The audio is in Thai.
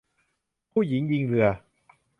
ผู้หญิงยิงเรือ